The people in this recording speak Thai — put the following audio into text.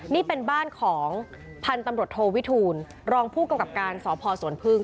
นี่เป็นบ้านของพันธุ์ตำรวจโทวิทูลรองผู้กำกับการสพสวนพึ่ง